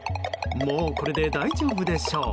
もうこれで大丈夫でしょう。